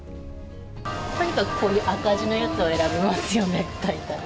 とにかくこういう赤字のやつを選びますよね、大体。